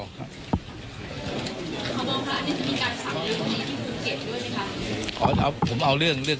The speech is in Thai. เขาก็บอกท่านเนี่ยจะมีการสั่งเรื่องดี